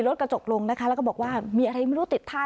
กระจกลงนะคะแล้วก็บอกว่ามีอะไรไม่รู้ติดท้าย